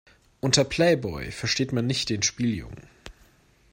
Unter Playboy versteht man nicht den Spieljungen.